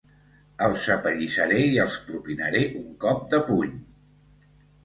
Els apallissaré i els propinaré un cop de puny!